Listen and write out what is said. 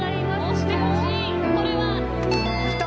押してほしいこれは！きた。